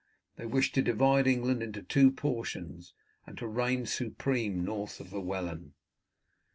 They wish to divide England into two portions, and to reign supreme north of the Wellan.